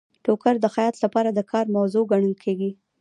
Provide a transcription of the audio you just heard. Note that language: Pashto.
ټوکر د خیاط لپاره د کار موضوع ګڼل کیږي.